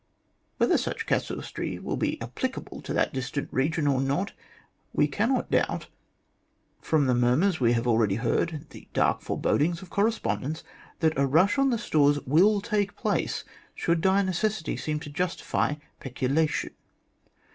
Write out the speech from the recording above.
"Whether such casuistry will be applicable to that distant region or not, we cannot doubt, from the murmurs we have already heard and the dark forebodings of correspondents, that a rush on the stores will take place, should dire necessity seem to justify pecula tion.